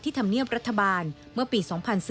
ที่ทำเนียบรัฐบาลเมื่อปี๒๔๔๗